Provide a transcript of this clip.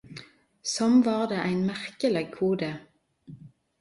Som var det ein merkeleg kode.